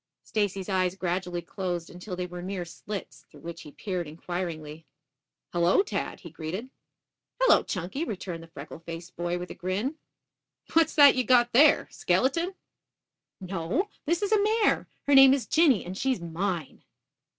Stacy's eyes gradually closed until they were mere slits, through which he peered inquiringly. "Hullo, Tad," he greeted. "Hello, Chunky," returned the freckle faced boy with a grin. "What you got there, a skeleton?" "No; this is a mare. Her name is Jinny and she's mine."